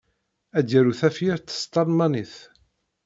Ad yaru tafyirt s tlalmanit.